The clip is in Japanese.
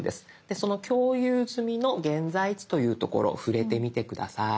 その「共有済みの現在地」という所触れてみて下さい。